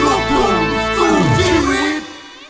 ลูกหนุ่มสู่ชีวิต